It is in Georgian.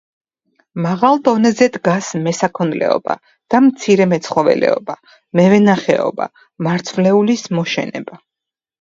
მაღალ დონეზე დგას მესაქონლეობა და მცირე მეცხოველეობა, მევენახეობა, მარცვლეულის მოშენება.